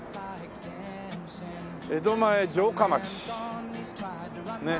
「江戸前城下町」ねえ。